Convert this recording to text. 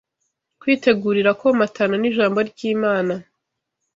kwitegurira kwomatana n’ijambo ry’Imana